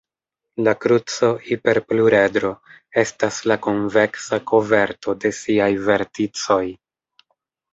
La kruco-hiperpluredro estas la konveksa koverto de siaj verticoj.